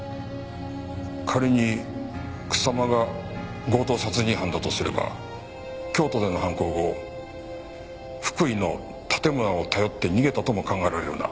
仮に草間が強盗殺人犯だとすれば京都での犯行後福井の盾村を頼って逃げたとも考えられるな。